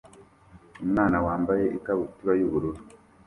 Umwana wambaye ikabutura y'ubururu